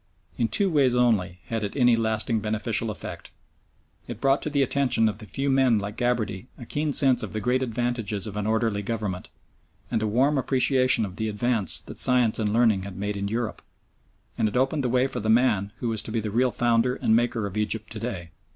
In two ways only had it any lasting beneficial effect it brought to the attention of the few men like Gabarty a keen sense of the great advantages of an orderly government, and a warm appreciation of the advance that science and learning had made in Europe, and it opened the way for the man who was to be the real founder and maker of the Egypt of to day.